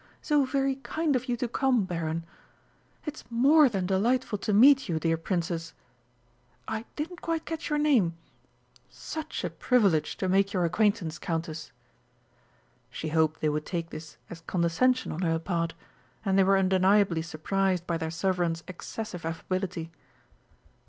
"So very kind of you to come, Baron!... It's more than delightful to meet you, dear Princess I didn't quite catch your name!... Such a privilege to make your acquaintance, Countess!" She hoped they would take this as condescension on her part, and they were undeniably surprised by their Sovereign's excessive affability.